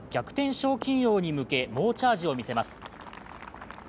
賞金王に向け猛チャージを見せます。